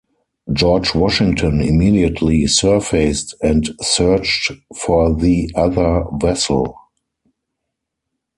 "George Washington" immediately surfaced and searched for the other vessel.